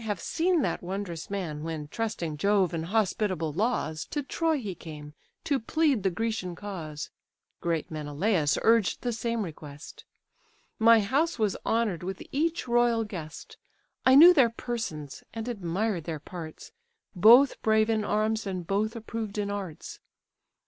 have seen that wondrous man When, trusting Jove and hospitable laws, To Troy he came, to plead the Grecian cause; (Great Menelaus urged the same request;) My house was honour'd with each royal guest: I knew their persons, and admired their parts, Both brave in arms, and both approved in arts.